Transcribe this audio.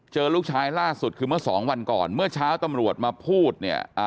ลูกชายล่าสุดคือเมื่อสองวันก่อนเมื่อเช้าตำรวจมาพูดเนี่ย